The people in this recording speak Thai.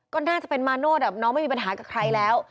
ก็น่าจะเป็นมาโนธน้องไม่มีปัญหากับใครแล้ว